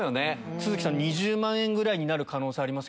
都筑さん２０万円ぐらいになる可能性あります